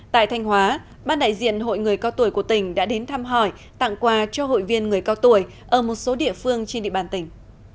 tại thanh hóa ban đại diện hội người cao tuổi của tỉnh đã đến thăm hỏi tặng quà cho hội viên người cao tuổi ở một số địa phương trên địa bàn tỉnh